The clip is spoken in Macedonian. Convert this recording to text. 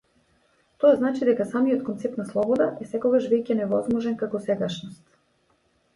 Тоа значи дека самиот концепт на слобода е секогаш веќе невозможен како сегашност.